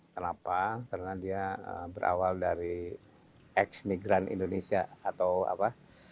kenapa karena dia berawal dari ex migran indonesia atau apa